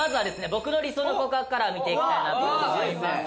僕の理想の告白から見ていきたいなと思いますが。